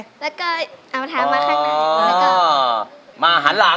แล้วก็เอาเท้ามาข้างหลัง